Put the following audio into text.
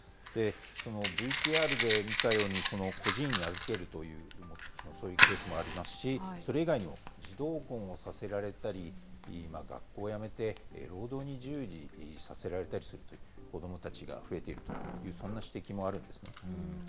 ＶＴＲで見たように、孤児院に預けるというそういうケースもありますし、それ以外にも児童婚をさせられたり、学校をやめて労働に従事させられたりするという子どもたちが増えているという、そんな指摘もあるんですね。